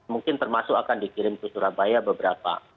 mungkin termasuk akan dikirim ke surabaya beberapa